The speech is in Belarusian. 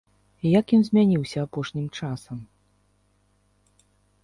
Як ён змяніўся апошнім часам?